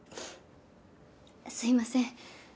すいません。